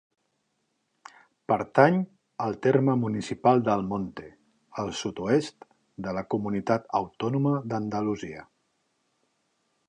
Pertany al terme municipal d'Almonte, al sud-oest de la Comunitat Autònoma d'Andalusia.